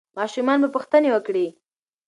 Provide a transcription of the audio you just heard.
ماشومان به پوښتنې وکړي.